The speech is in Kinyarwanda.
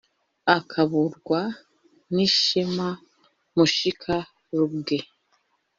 akaburwa n’ishema mushika-ruge,